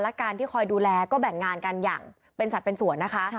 และการที่คอยดูแลก็แบ่งงานกันอย่างเป็นสัตว์เป็นส่วนนะคะ